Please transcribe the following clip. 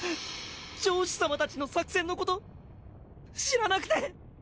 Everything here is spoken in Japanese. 城主さまたちの作戦のこと知らなくて。